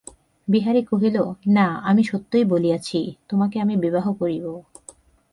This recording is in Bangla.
বিহারী কহিল, না, আমি সত্যই বলিয়াছি, তোমাকে আমি বিবাহ করিব।